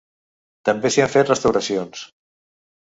També s'hi han fet restauracions.